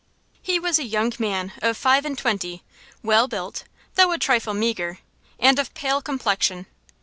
He was a young man of five and twenty, well built, though a trifle meagre, and of pale complexion.